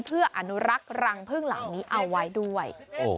เพื่ออนุรักษ์รังพึ่งหลังนี้เอาไว้ด้วย